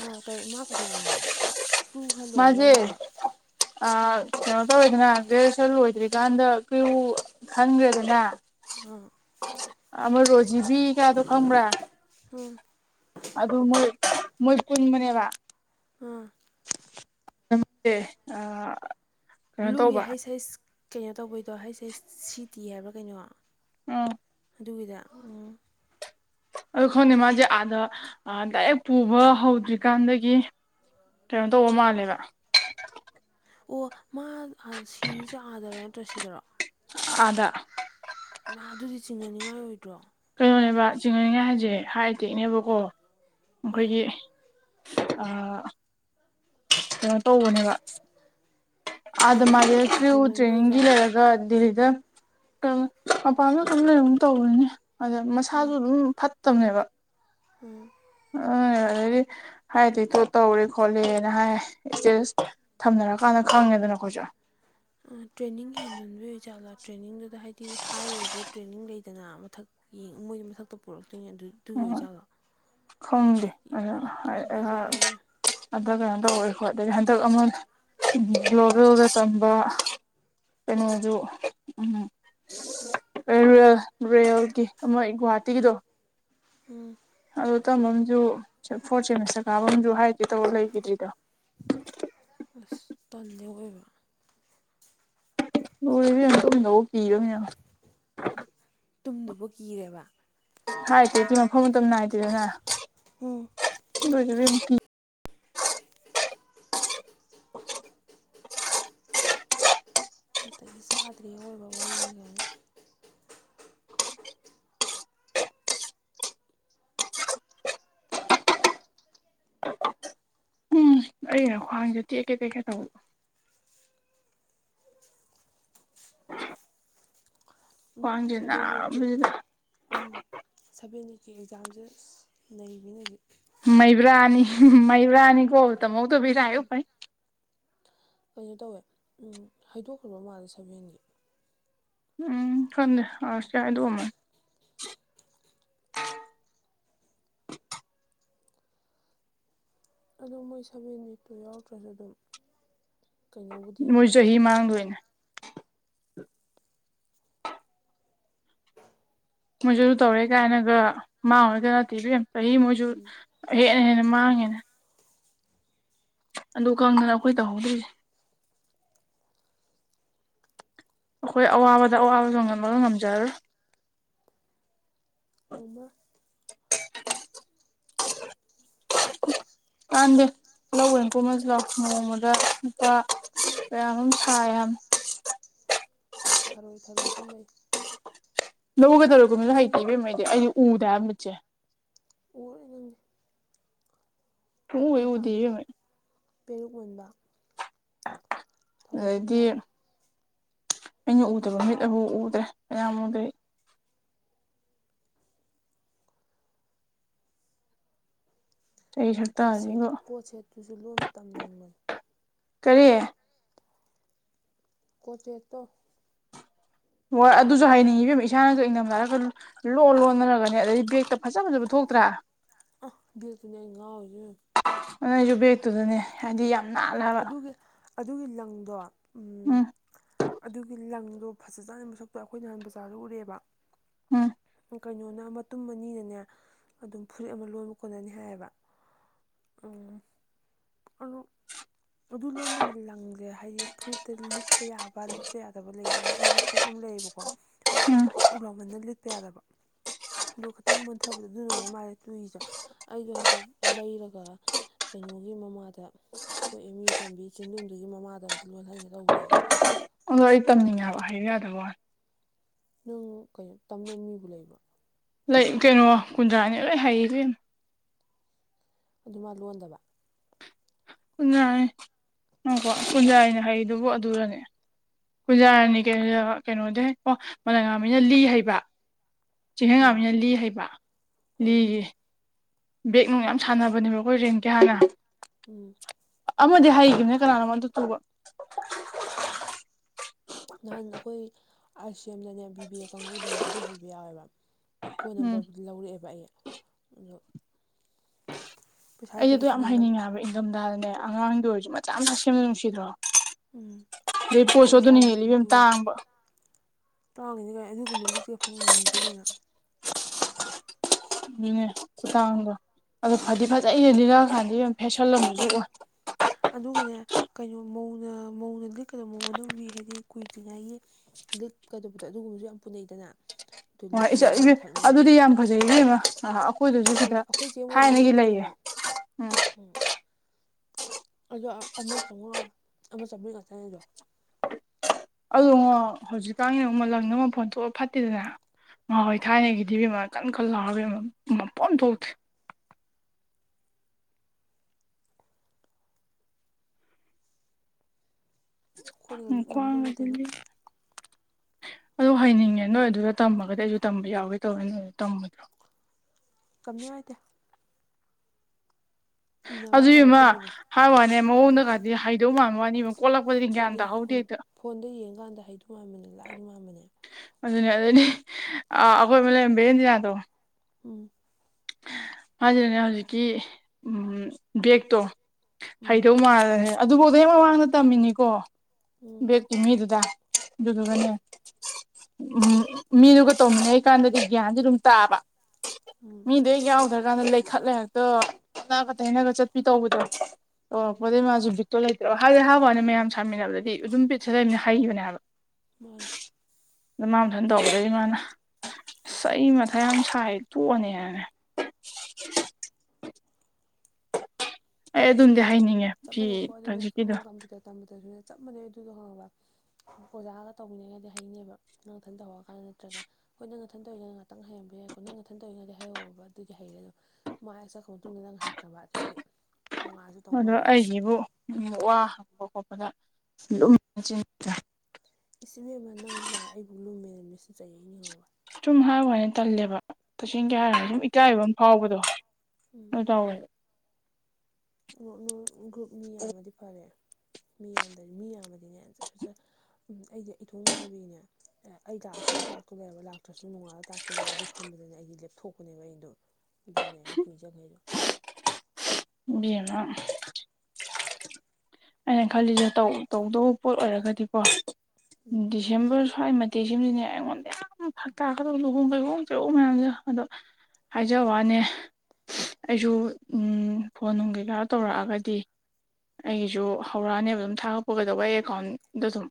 ꯑ ꯀꯩ ꯃꯥ ꯀꯩꯗꯧꯋꯦꯕ ꯕ꯭ꯂꯨ ꯈꯔ ꯂꯣꯏꯔꯒ ꯃꯥꯖꯦ ꯍꯥꯏꯔꯣ ꯑ ꯑꯥ ꯀꯩꯅꯣ ꯇꯧꯋꯦꯗꯅ ꯒ꯭ꯔꯦꯖꯨꯁꯟ ꯂꯣꯏꯗ꯭ꯔꯤꯀꯥꯟꯗ ꯀ꯭ꯔꯤꯌꯨ ꯈꯟꯒ꯭ꯔꯦꯗꯅ ꯎꯝ ꯑꯃ ꯔꯣꯖꯤꯕꯤ ꯀꯗꯣ ꯈꯪꯕꯔꯥ ꯑꯥ ꯑꯗꯨ ꯃꯣꯏ ꯃꯣꯏ ꯄꯨꯟꯕꯅꯦꯕ ꯑꯥ [unintelligible] ꯑ ꯕ꯭ꯂꯨꯒꯤ ꯍꯩꯁ ꯍꯩꯁ ꯀꯩꯅꯣ ꯇꯧꯕꯩꯗꯣ ꯍꯩꯁ ꯍꯩꯁ ꯁꯤ ꯇꯤ ꯍꯥꯏꯕ꯭ꯔꯥ ꯀꯩꯅꯣ ꯎꯝ ꯑꯗꯨꯒꯤꯗ ꯎꯝ ꯑꯗꯨ ꯈꯪꯗꯦ ꯃꯥꯁꯦ ꯑꯥꯗ ꯑ ꯗꯥꯏꯔꯦꯛ ꯄꯨꯕ ꯍꯧꯗ꯭ꯔꯤꯀꯥꯟꯗꯒꯤ ꯀꯩꯅꯣ ꯇꯧꯕ ꯃꯥꯜꯂꯦꯕ ꯑꯣ ꯃꯥ ꯑ ꯁꯤꯔꯤꯁꯦ ꯑꯥꯗꯔꯣ ꯅꯠꯇ꯭ꯔ ꯁꯤꯗꯔꯣ ꯑꯥꯗ ꯏꯃꯥ ꯑꯗꯨꯗꯤ ꯆꯤꯡꯅꯅꯤꯡꯉꯥꯏ ꯑꯣꯏꯗ꯭ꯔꯣ ꯀꯩꯅꯣꯅꯦꯕ ꯆꯤꯡꯅꯅꯤꯡꯉꯥꯏ ꯍꯥꯏꯁꯦ ꯍꯥꯔꯠ ꯑꯦꯇꯦꯛꯅꯦꯕꯀꯣ ꯑꯥ ꯑꯩꯈꯣꯏꯒꯤ ꯑ ꯀꯩꯅꯣ ꯇꯧꯕꯅꯦꯕ ꯑꯥꯗ ꯃꯥꯁꯦ ꯇ꯭ꯔꯦꯅꯤꯡꯗꯣ ꯀ꯭ꯔꯤꯌꯨ ꯍꯦꯟꯃꯟꯕꯩ ꯇ꯭ꯔꯦꯅꯤꯡꯒꯤ ꯑꯣꯏꯖꯥꯠꯂꯥ ꯂꯩꯔꯛ ꯔ ꯗꯤꯗ ꯀꯩꯅꯣ ꯃꯄꯥꯟ ꯑꯗꯨꯝ ꯂꯩꯔꯛꯒꯨꯝ ꯇꯧꯕꯅꯤꯅꯦ ꯑꯗ ꯃꯁꯥꯁꯨ ꯑꯗꯨꯝ ꯐꯠꯇꯕꯅꯦꯕ ꯎꯝ ꯑ ꯑꯗꯩꯗꯤ ꯍ꯭ꯔꯥꯠ ꯑꯦꯛꯇꯦꯛꯇꯣ ꯇꯧꯔꯦ ꯈꯣꯠꯂꯦꯅ ꯍꯥꯏ ꯏꯁꯇꯦꯇꯁ ꯊꯝꯅꯔꯀꯥꯟꯗ ꯈꯪꯉꯦꯗꯅ ꯑꯩꯈꯣꯏꯖꯨ ꯑ ꯇ꯭ꯔꯦꯅꯤꯡ ꯍꯦꯟꯃꯟꯕꯩ ꯑꯣꯏꯖꯥꯠꯂꯥ ꯇ꯭ꯔꯦꯅꯤꯡꯗꯨꯗ ꯍꯥꯏꯗꯤ ꯍꯥꯏ ꯑꯣꯏꯕ ꯇ꯭ꯔꯦꯅꯤꯡ ꯂꯩꯗꯅ ꯃꯊꯛ ꯌꯦꯡ ꯃꯣꯏ ꯃꯊꯛꯇ ꯄꯨꯔꯛꯇꯣꯏꯅꯤ ꯑꯗꯨ ꯑꯗꯨꯒꯤ ꯑꯣꯏꯖꯥꯠꯂꯣ ꯈꯪꯗꯦ ꯑꯁ ꯀꯤꯕꯨ ꯀꯤꯖꯔꯦ ꯏꯕꯦꯝ ꯑꯗ ꯀꯩꯅꯣ ꯇꯧꯋꯦ ꯈꯣꯠꯂꯦ ꯍꯟꯗꯛ ꯑꯃ ꯒ꯭ꯂꯣꯕꯦꯜꯗ ꯇꯝꯕ ꯀꯩꯅꯣꯖꯨ ꯎꯝ ꯔꯨꯔꯦꯜ ꯔꯨꯔꯦꯜꯒꯤ ꯑꯃ ꯑꯩ ꯒꯨꯋꯥꯍꯥꯇꯤꯒꯤꯗꯣ ꯎꯝ ꯑꯗ ꯇꯝꯕ ꯑꯃꯖꯨ ꯐꯣꯔ ꯁꯦꯃꯤꯁꯇꯔ ꯀꯥꯕ ꯑꯃꯖꯨ ꯍ꯭ꯔꯥꯠ ꯑꯦꯇꯦꯛ ꯇꯧꯔ ꯂꯩꯒ꯭ꯔꯤꯗꯤꯗꯣ ꯑꯁ ꯇꯟꯂꯦ ꯑꯑꯣꯏꯕ ꯂꯣꯏꯔꯦ ꯏꯕꯦꯝꯃꯥ ꯇꯨꯝꯗꯧ ꯕꯧꯛ ꯀꯤꯕ ꯑꯃ ꯌꯥꯎꯔꯦ ꯇꯨꯝꯗꯨꯕꯧ ꯀꯤꯔꯦꯕ ꯍ꯭ꯔꯥꯠ ꯑꯦꯇꯦꯛꯇꯤ ꯃꯐꯝ ꯃꯇꯝ ꯅꯥꯏꯗꯦꯗꯅ ꯎꯝ [unintelligible] ꯖꯨꯠ ꯆꯥꯗ꯭ꯔ‌ꯦ ꯑꯑꯣꯏꯕ ꯋꯥꯔꯤꯅꯤ ꯒꯥꯏꯅ ꯎꯝ ꯑꯩꯅ ꯈ꯭ꯋꯥꯡꯖꯦ ꯇꯦꯛꯀꯦ ꯇꯦꯛꯀꯦ ꯇꯧꯕ [inaudible] ꯈ꯭ꯋꯥꯡꯁꯦ ꯁꯕꯦꯟ ꯅꯤꯇ‌ꯦ ꯅꯥꯕꯁꯤꯗ ꯎꯝ ꯁꯚꯦꯟ ꯅꯤꯠꯀꯤ ꯑꯦꯛꯖꯥꯝꯖ‌ꯦ ꯑꯁ ꯅꯩꯕꯤꯅꯤ ꯍꯧꯖꯤꯛ ꯃꯩꯕ꯭ꯔꯥꯅꯤ ꯃꯩꯕ꯭ꯔꯥꯅꯤꯀꯣ ꯇꯥꯝꯍꯧ ꯗꯕ ꯏꯔꯥꯏꯕꯛ ꯐꯩ ꯀꯩꯅꯣ ꯇꯧꯋꯦ ꯎꯝ ꯍꯥꯏꯗꯣꯛꯈ꯭ꯔꯕ ꯃꯥꯜꯂꯦ ꯁꯚꯦꯟꯒꯤ ꯎꯝ ꯈꯡꯗꯦ ꯑꯁ ꯇꯤ ꯑꯗꯨꯒꯨꯝꯕꯅ‌ꯦ ꯑꯗꯣ ꯃꯣꯏ ꯁꯕꯦꯟ ꯅꯤꯠꯇꯣ ꯌꯥꯎꯗ꯭ꯔꯁꯨ ꯑꯗꯨꯝ ꯀꯩꯅꯣꯕꯨꯗꯤ ꯃꯣꯏ ꯆꯍꯤ ꯎꯝ ꯃꯥꯡꯗꯣꯏꯅꯦ ꯃꯣꯏꯖꯨ ꯑꯗꯨ ꯇꯧꯔꯦ ꯆꯞ ꯃꯥꯟꯅꯩ ꯀꯥꯏꯅꯒ ꯃꯥꯡꯉꯥꯔ‌ꯣꯏꯒ ꯅꯠꯇꯦ ꯏꯕꯦꯝꯃ ꯆꯍꯤ ꯃꯣꯏꯖꯨ ꯎꯝ ꯍꯦꯟꯅ ꯍꯦꯟꯅ ꯃꯥꯡꯉꯦꯅ‌ꯦ ꯑꯗꯨ ꯈꯪꯗꯅ ꯑꯩꯈꯣꯏ ꯇꯧꯍꯧꯗ‍꯭ꯔꯤꯁ‌‌ꯦ ꯑꯩꯈꯣꯏ ꯑꯋꯥꯕꯗ ꯑꯋꯥꯕꯖꯨ ꯉꯝꯃꯔ‌ꯣꯏ ꯉꯝꯖꯔꯔꯣꯏ [unintelligible] [inaudible] ꯄꯥꯝꯗ‌ꯦ ꯂꯧꯑꯣꯏ ꯀꯨꯃꯖꯤ ꯂꯥꯎ ꯅꯣꯡꯃꯗ ꯂꯨꯄꯥ ꯀꯌꯥ ꯅ‌ꯣꯝ ꯁꯥꯏ ꯍꯥꯏꯕꯅ‌ꯦ ꯊꯔꯣꯏ ꯊꯔꯣꯏ ꯈꯨꯟꯕꯩ ꯂꯧꯒꯗꯧ ꯀꯨꯝꯕꯖꯨ ꯍꯩꯇ‌ꯦ ꯏꯕ‌ꯦꯝꯃ ꯑꯩꯗꯤ ꯑꯩꯗꯤ ꯎꯗ‌ꯦ ꯍꯥꯏꯕ ꯃꯨꯠꯁꯦ [unintelligible] ꯁꯨꯡꯎ ꯑꯩ ꯍꯦꯛ ꯎꯗꯦ ꯄꯥꯝꯃꯤꯖ‌ꯦ ꯏꯕꯦꯝꯃ ꯄꯤꯔꯨꯛ ꯃꯟꯕ ꯑꯗꯩꯗꯤ ꯈꯨꯟꯕ ꯑꯩꯅ ꯎꯗꯕ ꯃꯤꯠ ꯑꯕꯨ ꯎꯗ꯭ꯔꯦ ꯃꯌꯥꯝꯕꯗꯩ ꯆꯍꯤ ꯀꯣꯠ ꯁꯦꯠ ꯁꯛꯇꯁꯤꯒ ꯀꯣꯠ ꯁꯦꯠꯇꯨꯖꯨ ꯂꯣꯟꯕ ꯇꯝꯅꯤꯡꯕꯅ‌ꯦ ꯀꯔꯤ ꯀꯣꯇ‌ꯦꯛ ꯇꯣ ꯍ‌ꯣꯏ ꯑꯗꯨꯁꯨ ꯍꯥꯏꯅꯤꯡꯉꯤꯕ ꯏꯕ‌ꯦꯝꯃ ꯏꯁꯥꯅꯁꯨ ꯑꫯꯡꯗꯝꯗ ꯈ ꯂꯣꯟ ꯂꯣꯟꯗꯅꯒ‌ꯅ‌ꯦ ꯑꯗꯩꯗꯤ ꯕꯦꯒꯛꯇ ꯐꯖ ꯐꯖꯕ ꯊꯣꯛꯇ꯭ꯔꯥ ꯑ ꯕ‌ꯦꯛꯇꯅꯦ ꯑꯩ ꯉꯥꯎꯔꯤꯖ‌ꯦ ꯑꯩꯖꯨ ꯕꯦꯛꯇꯨꯗꯅꯦ ꯍꯥꯏꯗꯤ ꯌꯥꯝ ꯅꯥꯜꯂꯦꯕ ꯑꯗꯨꯒꯤ ꯑꯗꯨꯒꯤ ꯂꯪꯗꯣ ꯎ ꯎꯝ ꯑꯗꯨꯒꯤ ꯂꯪꯗꯣ ꯐꯖꯖꯥꯅꯤ ꯃꯁꯛꯇ‌ꯣ ꯑꯩꯈꯣꯏ ꯅꯍꯥꯟ ꯖꯥꯔꯗ ꯎꯔꯦꯕ [inaudible] ꯀꯩꯅꯣꯅ ꯃꯇꯨꯝ ꯑꯅꯤꯅꯅꯦ ꯑꯗꯨꯝ ꯐꯨꯔꯤꯠ ꯑꯃ ꯂꯣꯟꯕ ꯀ‌ꯣꯟꯅꯅꯤ ꯍꯥꯏꯌꯦꯕ ꯎꯝ ꯑꯗꯨ ꯑꯗꯨ ꯂꯣꯟꯕꯒꯤ ꯂꯪꯖ‌ꯦ ꯍꯥꯏꯗꯤ ꯐꯨꯔꯤꯠꯇ ꯂꯤꯠꯄ ꯌꯥꯕ ꯂꯤꯠꯄ ꯌꯥꯗꯕ ꯂꯩꯖꯥꯠꯅꯤ ꯑꯩꯒꯤ ꯐꯨꯔꯤꯠ ꯑꯃ ꯂꯩꯌꯦꯕꯀꯣ ꯖꯆꯧ ꯎꯝ ꯖꯆꯧ ꯖꯧ ꯂꯥꯎꯃꯅ ꯂꯤꯠꯄ ꯌꯥꯗꯕ ꯑꯗꯨ‌ ꯈꯤꯇꯪ ꯃ‌ꯣꯟꯊꯕꯗꯣ ꯑꯗꯨ ꯑ‌ꯣꯏꯔ ꯃꯥꯜꯂꯦ ꯇꯨꯏꯖ ꯦ ꯑꯩꯗꯣ ꯍꯟꯇꯛ ꯂꯩꯔ ꯒ ꯀꯩꯅꯣꯒꯤ ꯃꯃꯥꯗ ꯑꯩꯈ‌ꯣꯏ ꯑꯦꯝ ꯌꯨ ꯇꯝꯕꯤ ꯆꯤꯟꯗꯨꯨꯝꯗꯨꯒꯤ ꯃꯃꯥꯗ ꯑꯝꯇ ꯂꯣꯟꯍꯟꯒꯦ ꯇꯧꯕꯅꯦꯕ ꯑꯗꯣ ꯑꯩ ꯇꯝꯅꯤꯡꯉꯦ ꯍꯥꯏꯕ ꯍꯩꯌ‌ꯣ ꯌꯥꯗꯕꯩ ꯋꯥꯅ‌ꯦ ꯅꯪ ꯀꯩꯅꯣ ꯇꯝꯅꯕ ꯃꯤꯕꯨ ꯂꯩꯕ꯭ꯔ‌ꯣ ꯂꯩ ꯀꯩꯅꯣ ꯀꯨꯟꯗ꯭ꯔꯥꯅꯤ ꯂꯣꯏ ꯍꯩ ꯏꯕ‌ꯦꯃ ꯑꯗꯨꯃ ꯂꯣꯟꯗꯕ ꯀꯨꯟꯖ꯭ꯔꯥꯅꯤ ꯉꯥꯏꯈ‌ꯣ ꯀꯨꯟꯖ꯭ꯔꯥꯅꯤ ꯍꯩꯔꯤꯗꯨꯕ‌ꯣ ꯑꯗꯨꯔꯅꯦ ꯀꯨꯟꯖꯥꯔꯥꯅꯤ ꯀꯩꯅꯣ ꯀꯩꯅꯣꯗꯩ ꯑꯣ ꯃꯥꯂꯦꯝꯉꯥꯟꯕꯤꯅ ꯂꯤ ꯍꯩꯕ ꯎꯝ ꯆꯤꯡꯈꯩꯉꯥꯟꯕꯤꯅ ꯂꯤ ꯍꯩꯕ꯭ꯔ ꯑꯥ ꯂꯤꯒꯤ ꯕꯦꯛ ꯅꯨꯡ ꯌꯥꯝ ꯁꯥꯟꯅꯕꯅꯦꯕ ꯑꯩꯈꯣꯏ ꯔꯦꯟ ꯀꯤ ꯍꯥꯟꯅ ꯎꯝ ꯑꯃꯗꯤ ꯍꯥꯏꯈꯤꯕꯅꯦ ꯀꯅꯥꯅꯣꯃ ꯑꯗꯨ ꯇꯨꯕ ꯅꯍꯥꯟ ꯑꯩꯈꯣꯏ ꯑꯥꯏ ꯁꯤ ꯑꯦꯝꯗꯅꯦ ꯕꯤ ꯕꯤ ꯑꯦ ꯀꯥꯡꯒꯨꯗꯅꯦ ꯑꯗꯨ ꯍꯩꯕ ꯌꯥꯎꯋꯦꯕ ꯐꯣꯟ ꯎꯝ ꯅꯝꯕꯔꯕꯨꯗꯤ ꯂꯧꯔꯛꯑꯦꯕ ꯑꯩ ꯑꯗꯣ ꯄꯩꯁꯥ ꯂꯩꯇꯕꯩ ꯇꯨꯍꯟꯗꯕ ꯅꯤꯡꯗꯝꯗꯥꯗꯅꯦ ꯑꯉꯥꯡꯒꯤ ꯑꯣꯏꯔꯁꯨ ꯃꯆꯥ ꯃꯆꯥ ꯁꯦꯝꯕꯗꯣ ꯅꯨꯡꯁꯤꯗ꯭ꯔꯣ ꯎꯝ ꯑꯗꯩ ꯄꯣꯠꯁꯨ ꯑꯩꯈꯣꯏ ꯑꯗꯨꯅ ꯏꯁꯥꯒꯤꯁꯨ ꯍꯦꯜꯂꯤ ꯏꯕꯦꯝꯃ ꯇꯥꯡꯕ ꯇꯥꯡꯗꯗꯤ ꯀꯩꯅꯣ ꯑꯗꯨꯒꯨꯝꯕ ꯂꯤ ꯆꯦꯐꯣꯡ ꯉꯝꯗꯦ ꯀꯪꯅꯣ ꯌꯦꯡꯉꯦ ꯈꯨꯇꯥꯡꯗꯣ ꯑꯗꯣ ꯐꯗꯤ ꯐꯖꯩꯌꯦ ꯂꯤꯜꯂꯛꯑꯀꯥꯟꯗꯤ ꯏꯕꯦꯝꯃ ꯐꯦꯁꯜꯂꯝꯖꯨ ꯑꯗꯨ ꯑꯣꯏ ꯑꯗꯨꯒꯅꯦ ꯀꯩꯅꯣ ꯃꯧꯅ ꯃꯧꯅ ꯂꯤꯛꯀꯗ ꯃꯧ ꯑꯅꯧꯕꯤ ꯍꯥꯏꯗꯤ ꯀꯨꯏꯗ꯭ꯔꯤꯉꯩꯒꯤ ꯂꯤꯠ ꯀꯗꯧꯕꯗꯣ ꯑꯗꯨꯒꯨꯝꯕꯁꯨ ꯌꯥꯝ ꯄꯨꯅꯩꯗꯅ ꯑꯗꯨ ꯍꯣꯏ ꯂꯤꯁꯤꯡ ꯏꯁ ꯑꯃ ꯏ ꯃꯊꯛꯅꯦ ꯌꯦꯡꯉꯣ ꯑꯗꯨꯗꯤ ꯌꯥꯝ ꯐꯖꯩꯌꯦ ꯏꯕꯦꯝꯃ ꯑꯩꯈꯣꯏꯗꯁꯨ ꯂꯤꯁꯤꯡ ꯑꯃ ꯁꯤꯗ ꯑꯩꯈꯣꯏ ꯊꯥꯏꯅꯒꯤ ꯂꯩꯌꯦ ꯎꯝ ꯍꯨꯝ ꯑꯗꯣ ꯑꯃ ꯆꯧꯉꯥ ꯑꯃ ꯆꯥꯃ꯭ꯔꯤ ꯉꯥꯛꯇꯅꯦ ꯑꯗꯣ ꯑꯗꯨꯉꯣ ꯍꯧꯖꯤꯛꯀꯥꯟꯒꯤꯅ ꯃꯨꯛ ꯂꯪꯗ ꯃꯐꯣꯟ ꯊꯣꯛꯑ ꯐꯠꯇꯦꯗꯅ ꯎꯝ ꯉꯍꯥꯋꯥꯏ ꯊꯥꯏꯅꯒꯤꯗꯤ ꯏꯕꯦꯝꯃꯥ ꯀꯟ ꯀꯟ ꯂꯥꯎꯔꯒ ꯌꯦꯡꯉꯣ ꯃꯐꯣꯟ ꯑꯝ ꯊꯣꯛꯇꯦ ꯑꯩꯈꯣꯏꯅ ꯎꯝ ꯂꯤꯛ ꯈ꯭ꯋꯥꯡ ꯉꯝꯗꯧ ꯅꯠꯇꯦ ꯑꯗꯣ ꯒꯨꯂꯤ ꯑꯗꯨ ꯍꯥꯏꯅꯤꯡꯉꯦ ꯅꯣꯏ ꯑꯗꯨꯗ ꯇꯝꯃꯒꯗꯤ ꯑꯩꯁꯨ ꯇꯝꯕ ꯌꯥꯎꯒꯦ ꯇꯧꯅꯦ ꯅꯣꯏ ꯑꯗ ꯇꯝꯃꫭꯏꯗ꯭ꯔꯣ ꯇꯝꯅꯤ ꯍꯥꯏꯇꯦ ꯏꯅꯕ ꯑꯗꯨ ꯈꯛꯇꯤ ꯏꯕꯦꯝꯃ ꯍꯩꯕꯅꯦ ꯍꯥꯏ ꯋꯥꯅꯦ ꯃꯑꯣꯡꯗꯒꯗꯤ ꯍꯩꯗꯧ ꯃꯥꯟꯕ ꯋꯥꯅꯤ ꯐꯣꯟꯗꯩ ꯐꯣꯟ ꯐꯣꯟꯗ ꯌꯦꯡꯀꯥꯟꯗ ꯍꯩꯗꯧ ꯃꯥꯟꯕꯅꯦ ꯂꯥꯏꯗꯧ ꯃꯥꯟꯕꯅꯦ ꯑꯗꯨꯅꯦ ꯑꯗꯨꯗꯩꯗꯤ ꯑ ꯑꯈꫭꯏ ꯂꯩꯔꯝ ꯕꯦꯔꯦꯟꯗꯤꯅꯥꯗꯣ ꯎꯝ ꯃꯥꯁꯤꯅꯥꯅꯦ ꯍꯧꯖꯤꯛꯀꯤ ꯎꯝ ꯕꯦꯛꯇꯣ ꯎꯝ ꯍꯩꯗꯧ ꯃꯥꯜꯂꯦꯅ ꯑꯗꯨꯕꯣꯖꯩ ꯃꯃꯥꯡꯗ ꯇꯝꯃꯤꯅꯤꯀꯣ ꯎꯝ ꯕꯦꯒꯀꯤ ꯃꯤꯗꯨꯗ ꯎꯝ ꯑꯗꯨꯗꯨꯒꯅꯦ ꯎꯝ ꯃꯤꯗꯨꯒ ꯇꯧꯃꯤꯟꯅꯩꯀꯥꯟꯗꯗꯤ ꯒ꯭ꯌꯥꯟꯗꯤ ꯑꯗꯨꯝ ꯇꯥꯕ ꯎꯝ ꯃꯤꯗꯨ ꯍꯦꯛ ꯌꯥꯎꯗ꯭ꯔꯀꯥꯟꯗ ꯂꯩꯈꯠꯂ ꯍꯦꯛꯇ ꯑꫭꯟꯅꯥꯒ ꯇꯩꯅꯒ ꯆꯠꯄꯤ ꯇꯧꯕꯗꯣ ꯎꯝ ꯇꯧꯔꯛꯄꯗꯩ ꯃꯥꯁꯨ ꯕꯤꯠꯇꯣ ꯂꯩꯇ꯭ꯔꯕ ꯍꯥꯏꯕꯗꯤ ꯍꯥꯏꯕ ꯋꯥꯅꯤ ꯃꯌꯥꯝ ꯁꯥꯃꯤꯟꯅꯕꯗꯗꯤ ꯑꯗꯨꯝ ꯕꯤꯠꯁꯤ ꯂꯩꯕꯅꯤ ꯍꯩꯕꯅꯦ ꯍꯥꯏꯕ ꯃꯥꯟꯅꯤ ꯗ ꯃꯥ ꯃꯊꯟ ꯇꯧꯕꯗꯩ ꯃꯥꯅ ꯑꯁ ꯑꯩ ꯃꯊꯥ ꯌꯥꯝ ꯁꯥꯏ ꯇꯣꯛꯑꯅꯤ ꯍꯥꯏꯃꯤ ꯑꯗꯨꯝꯗꯤ ꯑꯗꯨꯗꯤ ꯆꯞ ꯍꯩꯅꯤꯡꯉꯦ ꯆꯞ ꯐꯤ ꯃꯥꯟꯅꯩꯀꯣ ꯑꯗꯨꯅꯦ ꯑꯗꯨ ꯍꯧꯖꯤꯛꯀꯤꯗꯣ ꯀꯝꯄ꯭ꯌꯨꯇꯔ ꯇꯝꯕꯗꯁꯨꯅꯦ ꯆꯞ ꯃꯥꯟꯅꯩ ꯑꯗꯨꯗꯣ ꯈꯪꯉꯕ ꯑꯣꯖꯥꯒ ꯇꯧꯃꯤꯟꯅꯩꯉꯩꯗꯤ ꯍꯩꯅꯦꯕ ꯅꯪꯊꯟ ꯇꯍꯧꯔꯀꯥꯟꯗ ꯅꯠꯇ꯭ꯔꯒ ꯍꯣꯏ ꯅꯪ ꯅꯊꯟ ꯇꯧꯔꯤꯉꯩ ꯉꯥꯛꯇꯪ ꯍꯩꯔꯝꯕ ꯌꯥꯏꯀꯣ ꯅꯪ ꯅꯊꯟ ꯇꯔꯤꯉꯩꯗ ꯍꯩꯍꯧꯔꯕ ꯑꯗꯨꯗꯤ ꯍꯩꯔꯦ ꯑꯗꯨꯝ ꯃꯥꯏ ꯍꯦꯛ ꯆꯠꯈ꯭ꯔ ꯃꯇꯨꯡꯗ ꯅꯪ ꯍꯩꯇ꯭ꯔꯕ ꯑꯗꯒꯤ ꯑꯗꯣ ꯑꯩꯒꯤꯕꯨ ꯋꯥ ꯍꯪꯕ ꯈꯣꯠꯄꯗ ꯂꯨꯝꯕꯖꯤꯅꯤꯗ ꯏꯁ ꯏꯕꯦꯝꯃ ꯅꯪꯗꯤ ꯂꯥꯏꯔ ꯑꯩꯕꯨ ꯂꯨꯝꯃꯦꯅ ꯃꯤꯁꯅ ꯆꯩꯔꯩꯅꯤ ꯈꯪꯉꯕ ꯁꯨꯝ ꯍꯥꯏꯋꯥꯅꯤ ꯇꯜꯂꯦꯕ ꯇꯁꯦꯡꯀꯤ ꯍꯥꯏꯔꯒ ꯁꯨꯝ ꯏꯀꯥꯏꯕꯝ ꯐꯥꯎꯕꯗꯣ ꯑꯗꯨ ꯇꯧꯋꯦꯕ [unintelligible] ꯒ꯭ꯔꯨꯞ ꯃꯤ ꯌꯥꯝꯃꯗꯤ ꯐꯔꯦ ꯃꯤ ꯌꯥꯝꯗ꯭ꯔꯗꯤ ꯃꯤ ꯌꯥꯝꯃꯗꯤꯅꯦ ꯖꯔ ꯖꯔ ꯎꯝ ꯑꯩꯗꯤ ꯏꯊꯣꯡ ꯉꯥꯏꯕꯩꯅꯦ ꯑꯩ ꯂꯥꯛꯑꯁꯨ ꯑꯩ ꯇꯥꯛꯇꯧꯂꯩꯕ ꯂꯥꯛꯇ꯭ꯔꯁꯨ ꯅꯣꯡꯉꯥꯂꯒ ꯇꯥꯛ__ ꯂꯩ ꯑꯗꯨ ꯈꯟꯕꯗꯅꯦ ꯑꯩꯒꯤ ꯂꯦꯞꯊꯣꯛꯄꯅꯦꯕ ꯑꯩꯗꯣ ꯑꯗꯨꯗꯅꯦ ꯑꯩ ꯀꯨꯏ ꯆꯈꯩꯗꯣ ꯏꯕꯦꯝꯃ ꯑꯩꯅ ꯈꯜꯂꯤꯖꯦ ꯇꯧ ꯇꯧꯗꯧꯕ ꯄꯣꯠ ꯑꯣꯏꯔꯒꯗꯤꯀꯣ ꯗꯤꯁꯤ__ ꯗꯤꯁꯦꯝꯕꯔ ꯁ꯭ꯋꯥꯏ ꯃꯇꯦꯛꯁꯤꯃꯗꯤꯅꯦ ꯑꯩꯉꯣꯟꯗ ꯌꯥꯝ ꯐꯛ ꯇꯥꯛꯀꯗꯧ ꯂꯨꯍꯣꯡ ꯀꯩꯍꯣꯡ ꯆꯩꯍꯣꯡ ꯃꯌꯥꯝꯖꯦ ꯑꯗꯣ ꯍꯥꯏꯖꯕ ꯋꯥꯅꯦ ꯑꯩꯁꯨ ꯎꯝ ꯐꯣꯟ ꯅꯨꯡ ꯀꯩꯀꯥ ꯇꯧꯔꯛꯑꯒꯗꯤ ꯑꯩ__ ꯖꯨ ꯍꯧꯔꯛꯑꯅꯦꯕ ꯑꯗꯨꯝ ꯊꯥꯒꯠꯄ ꯀꯩꯗꯧꯕ ꯑꯩ ꯑꯦꯀꯥꯎꯟꯗꯨꯗꯨꯝ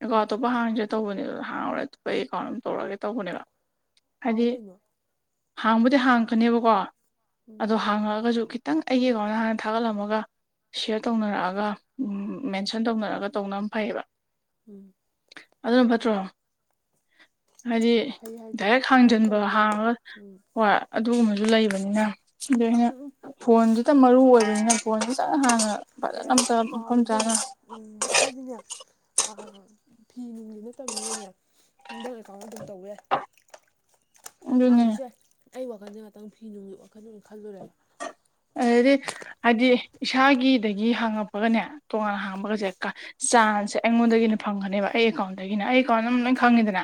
ꯑꯦꯀꯥꯎꯟ ꯎꯝ ꯑꯇꯣꯞꯄ ꯍꯥꯡ__ ꯇꯧꯕꯅꯦ ꯑꯗꯨ ꯍꯥꯡꯉꯔꯣꯏ ꯑꯇꯣꯞꯄ ꯑꯩꯒꯤ ꯑꯦꯀꯥꯎꯟ ꯑꯃ ꯇꯧꯔꯛꯑꯒꯦ ꯇꯧꯕꯅꯦꯕ ꯍꯥꯎ ꯍꯥꯏꯗꯤ ꯀꯩꯅꯣ ꯍꯥꯡꯕꯨꯗꯤ ꯍꯥꯡꯉꯛꯀꯅꯦꯕꯀꯣ ꯎꯝ ꯑꯗꯣ ꯍꯥꯡꯉꯛꯑꯒꯁꯨ ꯈꯤꯠ__ ꯇꯪ ꯑꯩꯒꯤ ꯑꯦꯀꯥꯎꯟꯗ ꯍꯥꯟꯅ ꯊꯥꯒꯠꯂꯝꯃꯒ ꯁꯤꯌꯔ ꯇꯧꯅꯔꯛꯑꯒ ꯎꯝ ꯃꯦꯟꯁꯟ ꯇꯧꯅꯔꯒ ꯇꯧꯅꯝ ꯐꯩꯌꯦꯕ ꯎꯝ ꯑꯗꯨꯅ ꯐꯠꯇ꯭ꯔꯣ ꯍꯥꯏꯗꯤ ꯐꯩ ꯍꯥꯏꯗꯤ ꯗꯥꯏꯔꯦꯛ ꯍꯦꯛ ꯍꯥꯡꯖꯟꯕ ꯇꯧꯕꯒꯗꯤ ꯍꯥꯡꯉꯒ__ ꯎꯝ ꯍꯣꯏ ꯑꯗꯨꯒꯨꯝꯕꯕꯨ ꯂꯩꯕꯅꯤꯅ ꯑꯗꯨ ꯑꯩꯅ ꯎꯝ ꯎꯝ ꯐꯣꯟꯗꯨꯇ ꯃꯔꯨ ꯑꯣꯏꯕꯅꯤꯅ ꯐꯣꯟꯖꯤꯇꯪ ꯍꯥꯟꯅ ꯑꯦ ꯐꯖꯅ ꯑꯦ ꯑꯝꯇ ꯀꯥꯎꯋꯦ ꯃꯐꯝ ꯆꯥꯅ ꯏꯕꯦꯝꯃ ꯎꯝ ꯍꯥꯏꯗꯤꯅꯦ ꯑꯥ ꯑꯥ ꯑꯥ ꯐꯤ ꯅꯨꯡꯒꯤ ꯅꯠꯇꯝꯅꯤꯅꯅꯦ ꯅꯤꯡꯗꯜ ꯑꯦꯀꯥꯎꯟꯗ ꯑꯗꯨꯝ ꯇꯧꯕ ꯌꯥꯏ ꯑꯗꯨꯅꯦ ꯍꯥꯡꯗꯁꯨ ꯌꯥꯏ ꯑꯩ ꯋꯥꯈꯟꯖꯦ ꯉꯥꯛꯇꯪ ꯐꯤ ꯅꯨꯡꯒꯤ ꯋꯥꯈꯜꯗꯗꯨ ꯈꯜꯂꯨꯔꯦꯕ ꯑꯗꯨꯗꯤ ꯍꯥꯏꯗꯤ ꯏꯁꯥꯒꯤꯗꯒꯤ ꯍꯥꯡꯉꯛꯄꯒꯅꯦ ꯇꯣꯉꯥꯟ ꯍꯥꯡꯕꯒꯁꯦ ꯀꯥ__ ꯆꯥꯟꯁꯁꯦ ꯑꯩꯉꯣꯟꯗꯒꯤꯅ ꯐꯪꯒꯅꯦꯕ ꯑꯩ ꯑꯦꯀꯥꯎꯟꯗꯒꯤꯅ ꯑꯩ ꯑꯦꯀꯥꯎꯟ ꯑꯅꯨꯝ ꯂꯣꯏ ꯈꯪꯉꯤꯗꯦꯅ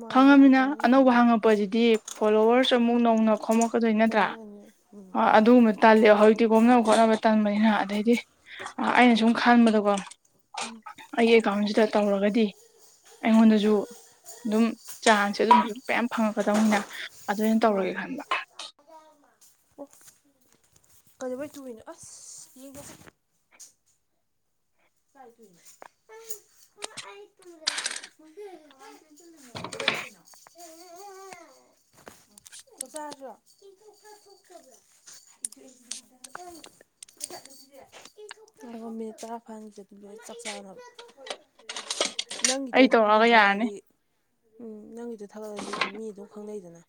ꯃꯥꯏ ꯅꯪ ꯈꯪꯉꯃꯤꯅ ꯑꯦꯀꯥꯎꯟ ꯑꯣꯏꯅ ꯑꯅꯧꯕ ꯍꯥꯡꯗꯣꯛꯑꯣ ꯍꯪꯉꯛꯄꯖꯤꯗꯤ ꯐꯣꯂꯣꯋꯔꯁ ꯑꯃꯨꯛ ꯅꯧꯅ ꯈꯣꯝꯃꯛꯀꯗꯣꯏ ꯅꯠꯇ꯭ꯔꯥ ꯈꯨꯝꯅꯅꯤ ꯎꯝ ꯑꯥ ꯑꯗꯨꯃ__ ꯇꯜꯂꯦ ꯍꯧꯖꯤꯛꯇꯤ ꯀꯣꯝꯅꯕ ꯈꯣꯠꯅꯕ ꯇꯟꯕꯅꯤꯅ ꯑꯗꯩꯗꯤ ꯑꯥ ꯑꯩꯅ ꯁꯨꯝ ꯈꯟꯕꯗꯀꯣ ꯎꯝ ꯑꯩꯒꯤ ꯑꯦꯀꯥꯎꯟꯖꯤꯗ ꯇꯧꯔꯒꯗꯤ ꯑꯩꯉꯣꯟꯗꯖꯨ ꯑꯗꯨꯝ ꯆꯥꯟꯁꯦ ꯑꯗꯨꯝ ꯃꯌꯥꯝ ꯐꯪꯉꯛꯀꯗꯧꯅꯤꯅ ꯑꯗꯨꯅ ꯇꯧꯔꯒꯦ ꯃꯥꯜꯂꯦ ꯈꯟꯕ ꯑꯣ ꯀꯩꯗꯧꯕꯩ ꯇꯨꯔꯤꯅꯣ ꯑꯁ ꯌꯦꯡꯒꯦꯁꯦ ꯀꯥꯏ ꯇꯨꯏꯅꯣ ꯑꯥ ꯃꯥ ꯑꯩ ꯇꯨꯔꯦ [unintelligible] ꯀꯥꯏꯗꯅꯣ ꯆꯥꯛꯆꯔꯖꯤꯔꯣ ꯏ ꯊꯣꯛꯄ꯭ꯔꯥ ꯊꯣꯛꯇꯕ꯭ꯔꯣ ꯏ ꯊꯣꯛꯑꯦ ꯁꯤꯗꯤ [unintelligible] ꯂꯣꯏ ꯇꯠꯂꯦ ꯁꯤꯗꯤ ꯏ ꯊꯣꯛꯄ꯭ꯔꯣ ꯉꯥꯏꯒꯣ ꯃꯤꯅꯤꯠ ꯇꯔꯥ ꯐꯍꯟꯒꯤꯖꯦ ꯂꯣꯏ ꯆꯥꯛ ꯆꯥꯅꯕ ꯅꯪꯒꯤꯗ ꯑꯩ ꯑꯗꯨꯨꯝ ꯇꯧꯔꯛꯑꯒ ꯌꯥꯔꯅꯤ ꯊꯥꯒꯠꯂꯗꯤ ꯎꯝ ꯅꯪꯒꯤꯗꯣ ꯊꯥꯒꯠꯂꯗꯤ ꯑꯗꯨꯝ ꯃꯤ ꯑꯗꯨꯝ ꯈꯪꯅꯩꯗꯅ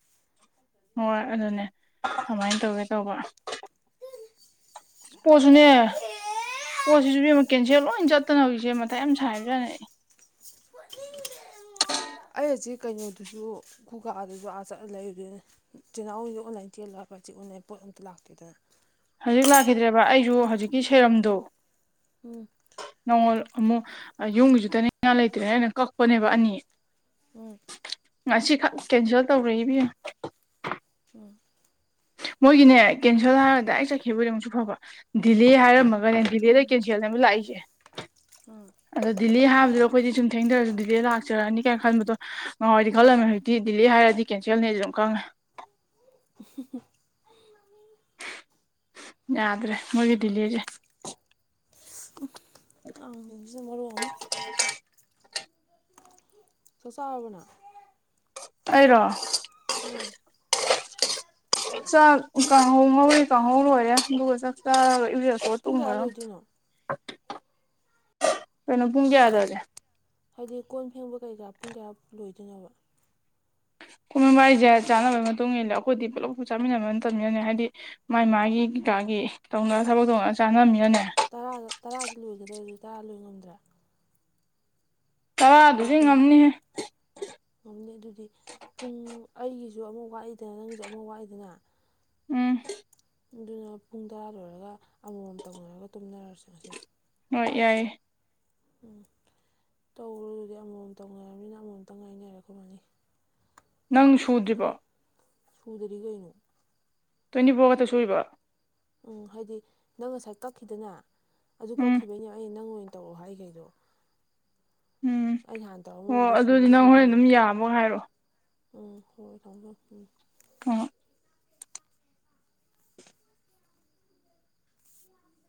ꯍꯣꯏ ꯑꯗꯨꯅꯦ ꯑꯃꯥꯏ ꯇꯧꯒꯦ ꯇꯧꯕ ꯄꯣꯠꯖꯨꯅꯦ ꯄꯣꯠꯁꯤꯁꯨ ꯏꯕꯦꯝꯃ ꯀꯦꯟꯁꯦꯜ ꯂꯣꯏ ꯆꯠꯇꯅ ꯍꯧꯖꯤꯛꯁꯦ ꯃꯊꯥ ꯌꯥꯝ ꯁꯥꯥꯏꯕ ꯖꯥꯠꯅꯤ ꯑꯩ ꯈꯣꯠꯅꯤꯡꯗꯦ ꯑꯩꯉꯣꯟꯗ ꯑꯩ ꯍꯧꯖꯤꯛ ꯀꯩꯅꯣꯗꯨꯁꯨ ꯈꯨꯒꯥꯗꯨꯖꯨ ꯑꯥ ꯆꯠꯂꯥ ꯂꯩꯔꯨꯗꯣꯏꯅꯦ ꯆꯦꯅꯥꯎꯒꯤꯖꯨ ꯑꯣꯟꯂꯥꯏꯟ ꯆꯦꯜꯂꯑꯕꯖꯤꯛ ꯑꯣꯟꯂꯥꯏꯟ ꯄꯣꯠ ꯑꯝꯇ ꯂꯥꯛꯇꯦꯗꯅ ꯍꯧꯖꯤꯛ ꯂꯥꯛꯈꯤꯗ꯭ꯔꯦꯕ ꯑꯩꯖꯨ ꯍꯧꯖꯤꯛꯀꯤ ꯁꯦꯔꯝꯗꯣ ꯎꯝ ꯅꯣꯡꯉꯣꯜ ꯑꯃꯨꯛ ꯑꯥꯌꯨꯝꯒꯤꯁꯨ ꯇꯩꯅꯤꯡꯉꯥ ꯂꯩꯇ꯭ꯔꯦꯅ ꯑꯩꯅ ꯀꯛꯄꯅꯦꯕ ꯑꯅꯤ ꯎꯝ ꯉꯁꯤ ꯈꯛ ꯀꯦꯟꯁꯦꯜ ꯇꯧꯔꯩ ꯏꯕꯦꯝꯃ ꯎꯝ ꯃꯣꯏꯒꯤꯅꯦ ꯀꯦꯟꯁꯦꯜ ꯍꯥꯏꯔꯒꯗ ꯗꯥꯏꯔꯦꯛ ꯆꯠꯈꯤꯕ ꯑꯣꯏꯗꯤ ꯑꯃꯨꯛꯁꯨ ꯐꯕꯥ ꯗꯤꯂꯦ ꯍꯥꯏꯔꯝꯃꯒꯅꯦ ꯗꯤꯂꯦꯗꯩ ꯀꯦꯟꯁꯦꯜꯅꯦꯕ ꯂꯥꯛꯏꯁꯦ ꯎꯝ ꯑꯗꯣ ꯗꯤꯂꯦ ꯍꯥꯏꯕꯗꯨꯗꯣ ꯑꯩꯈꯣꯏꯗꯤ ꯁꯨꯝ ꯊꯦꯡꯗꯔꯁꯨ ꯗꯤꯂꯦ ꯂꯥꯛꯆꯔꯅꯤ ꯀꯥꯏꯅ ꯈꯟꯕꯗꯣ ꯉꯍꯥꯋꯥꯏꯗꯤ ꯎꯝ ꯈꯜꯂꯝꯃꯦ ꯍꯧꯖꯤꯛꯇꯤ ꯗꯤꯂꯦ ꯍꯥꯏꯔꯗꯤ ꯀꯦꯟꯁꯦꯜꯅꯤ ꯑꯗꯨꯝ ꯈꯪꯉꯦ ꯌꯥꯗ꯭ꯔꯦ ꯃꯣꯏꯒꯤ ꯗꯤꯂꯦꯖꯦ [unintelligible] [inaudible] ꯆꯥꯛꯆꯥꯔꯕꯣ ꯅꯪ ꯑꯩꯔꯣ ꯎꯝ ꯆꯥꯛ ꯀꯥꯡꯍꯧ ꯉꯧꯔꯤ ꯀꯥꯡꯍꯧ ꯂꯣꯏꯔꯦ ꯑꯗꯨꯒ ꯆꯥꯛ ꯆꯥꯔꯒ ꯏꯔꯨꯖꯊꯣꯛ ꯑꯣ ꯄꯨꯡ ꯀꯌꯥ ꯇꯨꯝꯒ꯭ꯔꯥꯗꯧ ꯂꯣꯏꯗꯣꯏꯅꯣ ꯀꯩꯅꯣ ꯄꯨꯡ ꯀꯌꯥꯗ ꯑꯗꯨꯗꯤ ꯍꯥꯏꯗꯤ ꯀꯣꯟ ꯐꯦꯡꯕ ꯀꯩꯀꯥ ꯄꯨꯡ ꯀꯌꯥ ꯂꯣꯏꯗꯣꯏꯅꯣꯕ ꯀꯣꯟ ꯐꯦꯡꯕ ꯍꯥꯏꯁꯦ ꯆꯥꯅꯕꯒꯤ ꯃꯇꯨꯡ ꯏꯜꯂꯦ ꯑꯩꯈꯣꯏꯗꯤ ꯄꯨꯂꯞ ꯄꯨ ꯆꯥꯃꯤꯟꯅꯕ ꯅꯠꯇꯃꯤꯅꯅꯦ ꯍꯥꯏꯗꯤ ꯃꯥꯥꯏ ꯃꯥꯒꯤ ꯀꯩꯀꯥꯒꯤ ꯇꯧꯅꯔ ꯊꯕꯛ ꯇꯧꯅꯔ ꯆꯥꯟꯅꯃꯤꯅꯅꯦ ꯇꯔꯥꯗ ꯇꯔꯥꯗ ꯂꯣꯏꯒꯗ꯭ꯔꯗꯤ ꯇꯔꯥꯗ ꯂꯣꯏ ꯉꯝꯗ꯭ꯔꯦ ꯇꯔꯥꯗꯨꯗꯤ ꯑꯗꯨꯗꯤ ꯄꯨꯡ ꯉꯝꯅꯤꯍꯦ ꯉꯝꯅꯤ ꯑꯗꯨꯗꯤ ꯄꯨꯡ ꯑꯩꯒꯤꯁꯨ ꯑꯃ ꯋꯥꯠꯂꯤꯗꯅ ꯅꯪꯒꯤꯁꯨ ꯑꯃ ꯋꯥꯠꯂꯤꯗꯅ ꯎꯝ ꯑꯗꯨꯅ ꯄꯨꯡ ꯇꯔꯥ ꯂꯣꯏꯔꯒ ꯑꯃꯃꯝ ꯇꯧꯅꯔꯒ ꯇꯨꯝꯅꯔꯁꯦ ꯉꯁꯤ ꯍꯣꯏ ꯌꯥꯏꯌꯦ ꯎꯝ ꯇꯧꯔꯣꯗꯨꯗꯤ ꯑꯃꯃꯝ ꯇꯧꯅꯔꯕꯅꯤꯅ ꯑꯃꯃꯝꯇꯪ ꯉꯥꯏꯅꯔꯛꯈꯃꯅꯤ ꯎꯝ ꯅꯪ ꯁꯨꯗ꯭ꯔꯤꯕꯣ ꯊꯝꯃꯦ ꯁꯨꯗ꯭ꯔꯤ ꯀꯩꯅꯣ ꯇ꯭ꯋꯦꯟꯇꯤ ꯐꯣꯔ ꯈꯛꯇ ꯁꯨꯔꯤꯕꯣ ꯎꯝ ꯍꯥꯏꯗꯤ ꯅꯪ ꯉꯁꯥꯏ ꯀꯛꯈꯤꯗꯅ ꯑꯗꯨ ꯎꯝ ꯀꯛꯈꯤꯕꯩꯅꯦ ꯑꯩꯅ ꯅꯪ ꯑꯣꯏꯅ ꯇꯧꯔꯑꯣ ꯍꯥꯏꯈꯩꯗꯣ ꯎꯝ ꯑꯩ ꯍꯥꯟꯅ ꯑꯣ ꯇꯧꯔꯛꯑꯝꯃꯕꯨꯗꯤ ꯑꯗꯨꯗꯤ ꯁꯨꯕꯨꯗꯤ ꯅꯪ ꯍꯣꯔꯦꯟ ꯑꯗꯨꯝ ꯁꯨꯗꯣꯏꯅꯦꯕ ꯌꯥꯕꯒ ꯍꯥꯏꯔꯛꯑꯣ ꯎꯝ ꯍꯣꯏ ꯊꯝꯃꯃꯦ ꯊꯝꯃꯦ ꯎꯝ [unintelligible] [unintelligible]